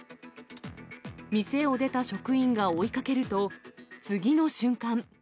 店を出た職員が追いかけると、次の瞬間。